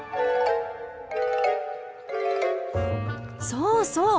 そうそう。